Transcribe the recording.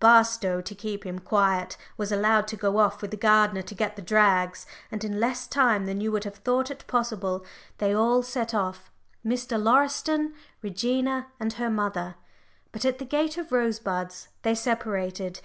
Barstow, to keep him quiet, was allowed to go off with the gardener to get the drags, and in less time than you would have thought it possible they all set off Mr. Lauriston, Regina, and her mother. But at the gate of Rosebuds they separated.